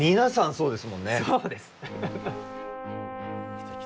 そうです。